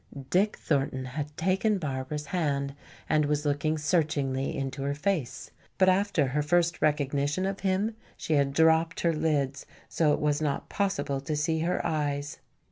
Dick Thornton had taken Barbara's hand and was looking searchingly into her face. But after her first recognition of him she had dropped her lids, so it was not possible to see her eyes.